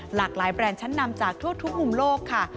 หลากหลายแบรนด์ชั้นนำจากทั่วทุกมุมโลกค่ะ